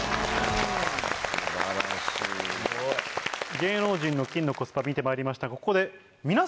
芸能人の金のコスパ見てまいりましたがここで。